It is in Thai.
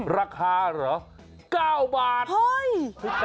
ราคาเหรอ๙บาทเฮ้ย